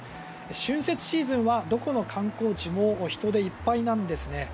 春節シーズンは、どこの観光地も人でいっぱいなんですね。